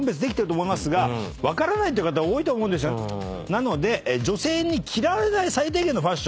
なので女性に嫌われない最低限のファッション。